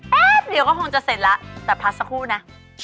แป๊บเดียวก็คงจะเสร็จแล้วแต่พักสักครู่นะ